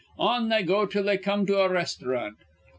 On they go till they come to a restaurant.